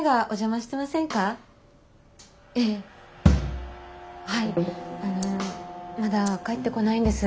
ええはいあのまだ帰ってこないんです。